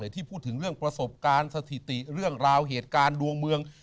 ที่พูดถึงเรื่องประสบการณ์สถิติเรื่องราวเหตุการณ์ดวงเมือง